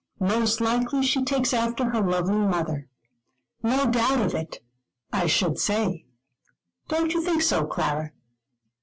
Most likely she takes after her lovely mother. No doubt of it, I should say. Don't you think so, Clara?"